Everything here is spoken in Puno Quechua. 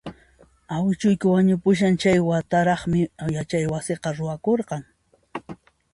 Awichuyki wañupushan anchay wataraqmi yachaywasiqa ruwakurqan